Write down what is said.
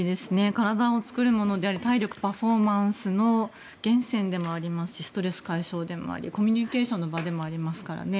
体を作るものであり体力、パフォーマンスの源泉でもありますしストレス解消でもありコミュニケーションの場でもありますからね。